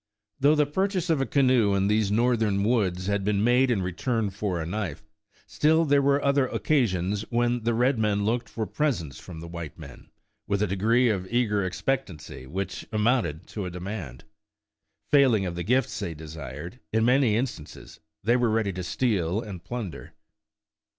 Though the purchase of a canoe in these Northern woods had been made in return for a knife, still there were other occasions when the red men looked for pres ents from the white men, with a degree of eager ex pectancy which amounted to a demand. Failing of the gifts they desired, in many instances they were ready to steal and plunder.